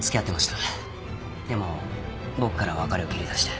でも僕から別れを切り出して。